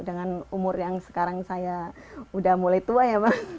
dengan umur yang sekarang saya sudah mulai tua ya